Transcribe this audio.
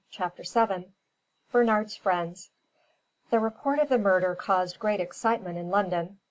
CHAPTER VII BERNARD'S FRIENDS The report of the murder caused great excitement in London.